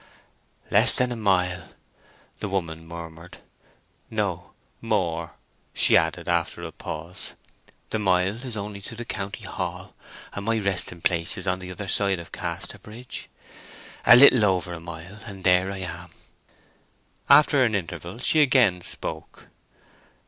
"Less than a mile!" the woman murmured. "No; more," she added, after a pause. "The mile is to the county hall, and my resting place is on the other side Casterbridge. A little over a mile, and there I am!" After an interval she again spoke.